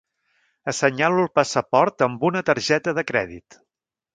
Assenyalo el passaport amb una targeta de crèdit.